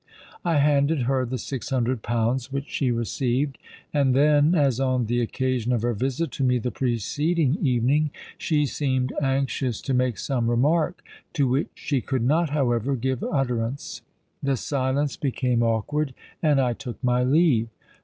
I handed her the six hundred pounds, which she received; and then—as on the occasion of her visit to me the preceding evening—she seemed anxious to make some remark, to which she could not, however, give utterance. The silence became awkward—and I took my leave.